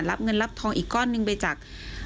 รับเงินรับทองอีกก้อนหนึ่งไปจาก